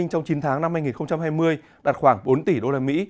trong chín tháng năm hai nghìn hai mươi đạt khoảng bốn tỷ usd